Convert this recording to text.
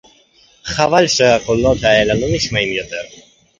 חבל שהקולות האלה לא נשמעים יותר